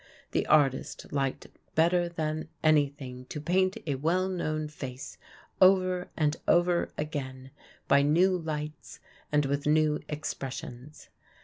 The artist liked better than anything to paint a well known face over and over again, by new lights and with new expressions.